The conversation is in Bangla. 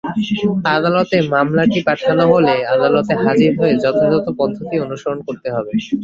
আদালতে মামলাটি পাঠানো হলে আদালতে হাজির হয়ে যথাযথ পদ্ধতি অনুসরণ করতে হবে।